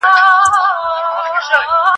زه به سبا تمرين کوم.